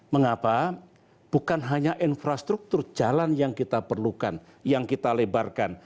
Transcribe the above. mengapa bukan hanya infrastruktur jalan yang kita perlukan yang kita lebarkan